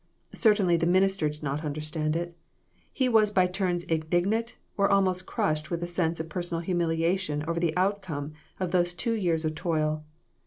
Certainly the minister did not understand it ; he was by turns indignant or almost crushed with a sense of personal humiliation over the outcome of those two years of toil.